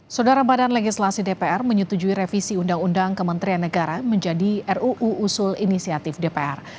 saudara badan legislasi dpr menyetujui revisi undang undang kementerian negara menjadi ruu usul inisiatif dpr